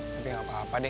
tapi gak apa apa deh